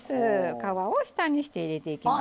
皮を下にして入れていきますよ。